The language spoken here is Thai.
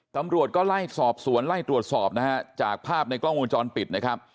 ตำรวจก็ไล่สอบสวนไล่ตรวจสอบนะฮะจากภาพในกล้องวงจรปิดนะครับ